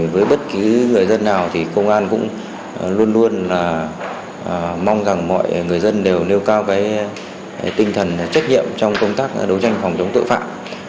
với bất cứ người dân nào thì công an cũng luôn luôn mong rằng mọi người dân đều nêu cao cái tinh thần trách nhiệm trong công tác đấu tranh phòng chống tội phạm